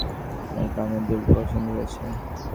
আপনার কানের দুলটা পছন্দ হয়েছে।